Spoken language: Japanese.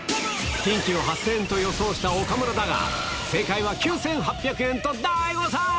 キンキを８０００円と予想した岡村だが、正解は９８００円と大誤算。